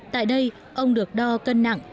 tại đây ông được đo cân nặng